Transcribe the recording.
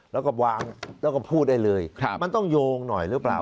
แล้วก็วางแล้วก็พูดได้เลยมันต้องโยงหน่อยหรือเปล่า